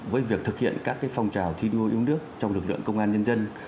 với việc thực hiện các phong trào thi đua yêu nước trong lực lượng công an nhân dân